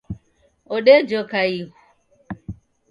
Odejoka ighu